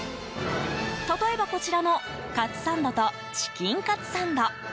例えばこちらの、かつサンドとチキンかつサンド。